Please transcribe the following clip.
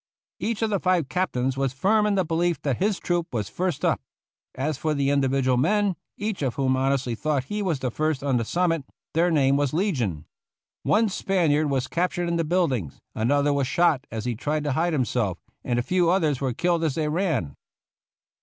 Each of the five captains was firm in the belief that his troop was first up. As for the individual men, each of whom honestly thought he was first on the summit, their name was legion. One Spaniard was captured in the buildings, another was shot as he tried to hide himself, and a few others were killed as they ran.